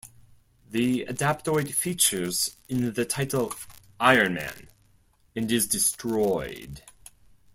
The Adaptoid features in the title "Iron Man" and is destroyed.